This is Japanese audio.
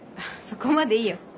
そこまでいいよ。